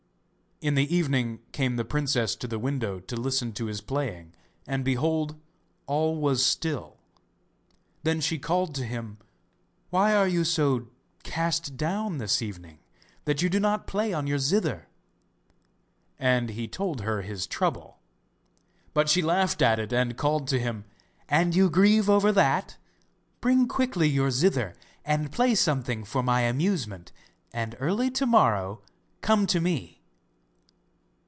In the evening came the princess to the window to listen to his playing, and behold all was still. Then she called to him: 'Why are you so cast down this evening, that you do not play on your zither?' And he told her his trouble. But she laughed at it, and called to him: 'And you grieve over that? Bring quickly your zither, and play something for my amusement, and early to morrow come to me.